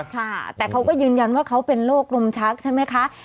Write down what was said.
ค่ะแต่เขาก็ยืนยันว่าเขาเป็นโรคลมชักใช่ไหมคะ